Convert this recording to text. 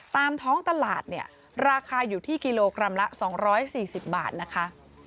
ตามท้องตลาดเนี่ยราคาอยู่ที่กิโลกรัมละ๒๔๐บาทนะคะ